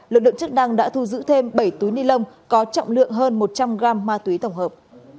lực lượng chức đăng đã thu giữ thêm bảy túi nilon có trọng lượng hơn một trăm linh gram ma túy tổng hợp